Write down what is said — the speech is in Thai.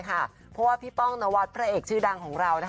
เพราะว่าพี่ป้องนวัดพระเอกชื่อดังของเรา